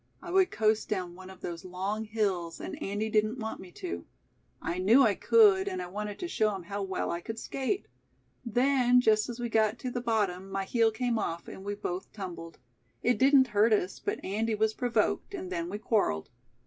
"I would coast down one of those long hills and Andy didn't want me to. I knew I could, and I wanted to show him how well I could skate. Then, just as we got to the bottom, my heel came off and we both tumbled. It didn't hurt us, but Andy was provoked, and then we quarreled.